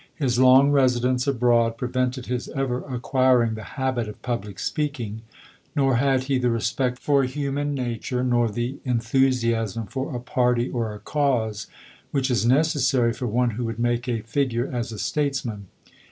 His long resi dence abroad prevented his ever acquiring the habit of public speaking ; nor had he the re spect for human nature, nor the enthusiasm for a party or a cause, which is necessary for one who would make a figure as a statesman.